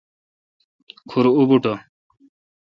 کھور اوبوٹھ۔